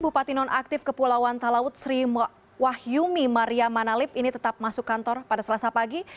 bupati nonaktif kepulauan talaut sri wahyumi maria manalip ini tetap masuk kantor pada selasa pagi